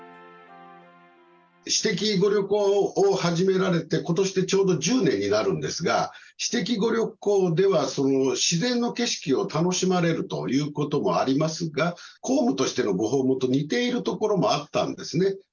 私的ご旅行を始められて、ことしでちょうど１０年になるんですが、私的ご旅行では、自然の景色を楽しまれるということもありますが、公務としてのご訪問と似ているところもあったんですね。